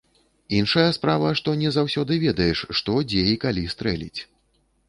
Іншая справа, што не заўсёды ведаеш, што, дзе і калі стрэліць.